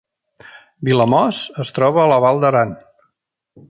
Vilamòs es troba a la Val d’Aran